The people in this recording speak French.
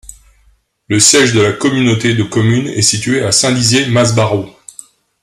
Le siège de la communauté de communes est situé à Saint-Dizier-Masbaraud.